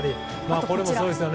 これもそうですよね。